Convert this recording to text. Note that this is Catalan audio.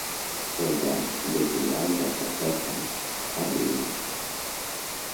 El drac de Vilalba Sasserra fa riure